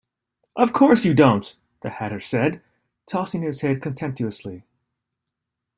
‘Of course you don’t!’ the Hatter said, tossing his head contemptuously.